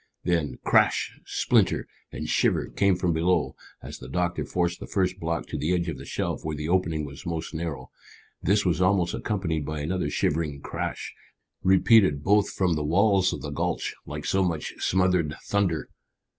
Then crash, splinter, and shiver came from below as the doctor forced the first block to the edge of the shelf where the opening was most narrow. This was almost accompanied by another shivering crash, repeated both from the walls of the gulch like so much smothered thunder.